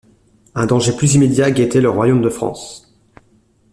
Un danger plus immédiat guettait le royaume de France.